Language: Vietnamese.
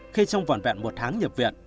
khi trong vòn vẹn một tháng nhập viện